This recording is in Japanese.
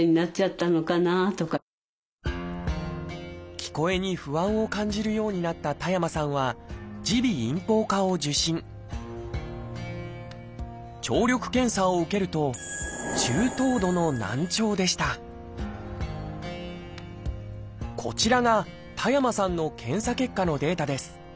聞こえに不安を感じるようになった田山さんは耳鼻咽喉科を受診聴力検査を受けるとこちらが田山さんの検査結果のデータです。